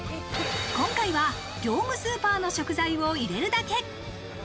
今回は業務スーパーの食材を入れるだけ。